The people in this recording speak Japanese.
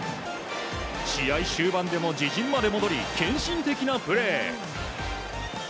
試合終盤でも自陣まで戻り献身的なプレー。